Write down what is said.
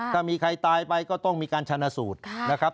ถ้ามีใครตายไปก็ต้องมีการชนะสูตรนะครับ